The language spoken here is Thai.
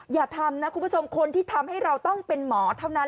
อย่าทำนะคุณผู้ชมคนที่ทำให้เราต้องเป็นหมอเท่านั้น